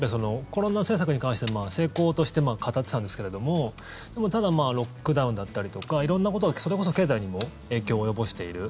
コロナ政策に関しては成功として語ってたんですけどもでも、ただロックダウンだったりとか色んなことが、それこそ経済にも影響を及ぼしている。